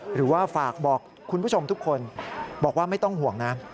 หรือว่าฝากบอกคุณผู้ชมทุกคนบอกว่าไม่ต้องห่วงนะ